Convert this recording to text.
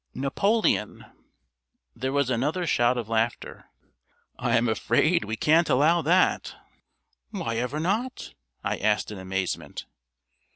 "Napoleon." There was another shout of laughter. "I am afraid we can't allow that." "Why ever not?" I asked in amazement.